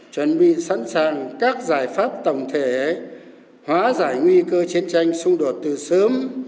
chuẩn bị sẵn sàng các giải pháp tổng thể hóa giải nguy cơ chiến tranh xung đột từ sớm